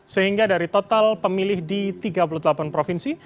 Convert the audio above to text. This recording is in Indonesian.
sehingga dari total pemilih di tiga puluh delapan provinsi